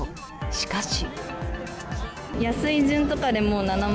しかし。